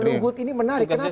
jenderal luhut ini menarik